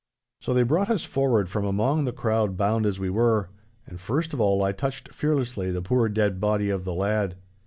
So they brought us forward from among the crowd bound as we were, and first of all I touched fearlessly the poor dead body of the lad.